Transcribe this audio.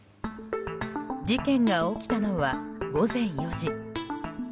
事件が起きたのは、午前４時。